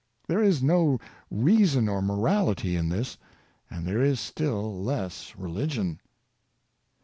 There is no reason or morality in this, and there is still less religion.